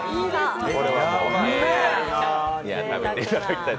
これは食べていただきたい。